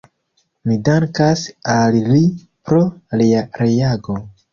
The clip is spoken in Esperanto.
Mi dankas al li pro lia reago.